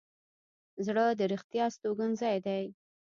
زړه د رښتیا استوګنځی دی.